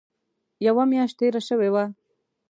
یوه میاشت تېره شوې وه.